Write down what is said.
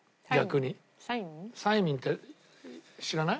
サイミンって知らない？